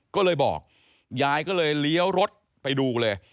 ก็เลยบอกยายก็เลยเลี้ยวรถไปดูเลย